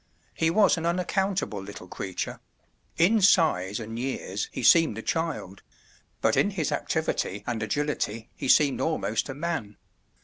He was an unaccountable little creature; in size and years he seemed a child; but in his activity and agility he seemed almost a man.